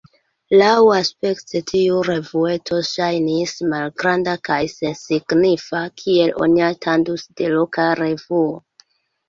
Laŭaspekte tiu revueto ŝajnis malgranda kaj sensignifa, kiel oni atendus de loka revuo.